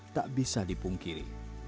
tak bisa dipungkiri